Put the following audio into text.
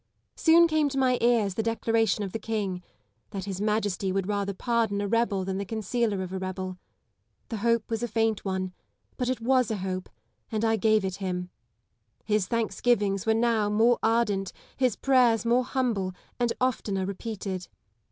Soon came to my ears the declaration of the King, that his Majesty would rather pardon a rebel than the concealer of LAD Y LISLE AND ELIZABE TH GA UNT. 85 a rebel. The hope was a faint one ; but it was a hope, and I gave it him. His thanksgivings were now more ardent, his pi'ayers more humble, and oftener repeated.